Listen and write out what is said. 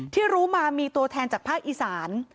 ที่รู้มามีตัวแทนจากภาคอีสาน